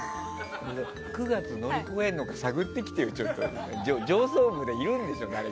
９月乗り越えるのか探ってきてる人が上層部でいるんでしょ、誰か。